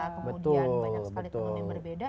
kemudian banyak sekali teman yang berbeda